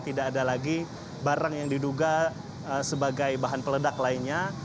tidak ada lagi barang yang diduga sebagai bahan peledak lainnya